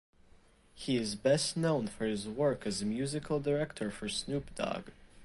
He is best known for his work as musical director for Snoop Dogg.